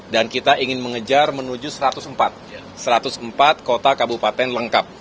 dan kita ingin mengejar menuju satu ratus empat kota kabupaten lengkap